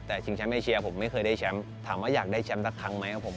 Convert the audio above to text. แต่ชิงแชมป์เอเชียผมไม่เคยได้แชมป์ถามว่าอยากได้แชมป์สักครั้งไหมครับผม